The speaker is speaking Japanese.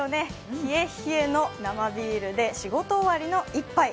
冷え冷えの生ビールで仕事終わりの１杯。